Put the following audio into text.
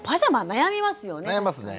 悩みますね。